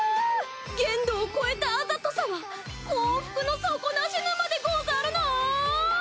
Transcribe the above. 限度を超えたあざとさは幸福の底なし沼でござるなぁ！